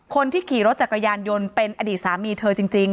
คนที่ขี่รถจักรยานยนต์เป็นอดีตสามีเธอจริง